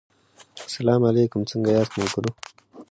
سلا علیکم څنګه یاست ملګرو